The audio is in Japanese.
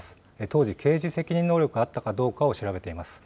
当時、刑事責任能力があったかどうかを調べています。